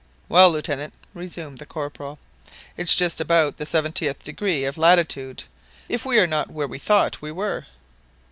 "Well, Lieutenant," resumed the Corporal, "it's just about the seventieth degree of latitude—if we are not where we thought we were."